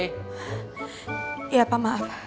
iya pak maaf